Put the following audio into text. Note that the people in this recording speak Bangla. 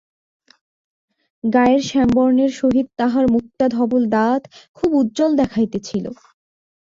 গায়ের শ্যামবর্ণের সহিত তাঁহার মুক্তা-ধবল দাঁত খুব উজ্জ্বল দেখাইতেছিল।